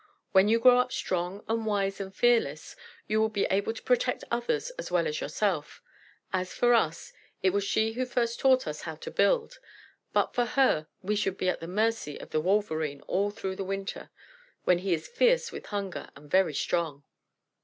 When you grow up strong, and wise, and fearless, you will be able to protect others as well as yourself. As for us, it was she who first taught us how to build. But for her we should be at the mercy of the Wolverene all through the winter, when he is fierce with hunger, and very strong.